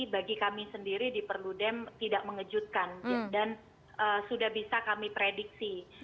bagi kami sendiri di perludem tidak mengejutkan dan sudah bisa kami prediksi